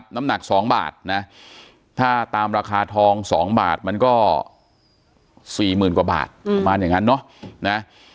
น้ำหนัก๒บาทนะถ้าตามราคาทอง๒บาทมันก็๔๐๐๐กว่าบาทประมาณอย่างนั้นเนาะ